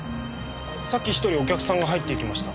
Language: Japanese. さっき１人お客さんが入っていきました。